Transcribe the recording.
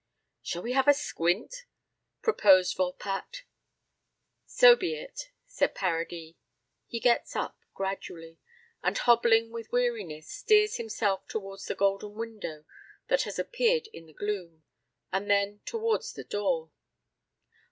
"Shall we have a squint?" proposed Volpatte. "So be it," said Paradis. He gets up gradually, and hobbling with weariness, steers himself towards the golden window that has appeared in the gloom, and then towards the door.